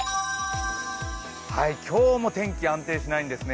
今日も天気、安定しないんですね。